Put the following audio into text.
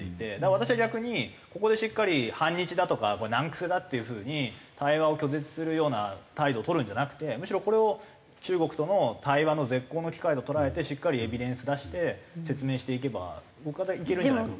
私は逆にここでしっかり反日だとか難癖だっていう風に対話を拒絶するような態度を取るんじゃなくてむしろこれを中国との対話の絶好の機会と捉えてしっかりエビデンス出して説明していけば僕はいけるんじゃないかと。